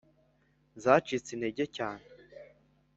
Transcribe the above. zacitse intege cyane.